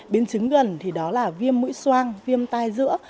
biến chứng gần thì đó là viêm mũi soang viêm tai giữa